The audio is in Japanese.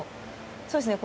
そうですね